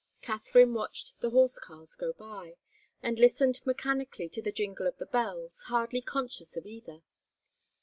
Katharine watched the horse cars go by, and listened mechanically to the jingle of the bells, hardly conscious of either.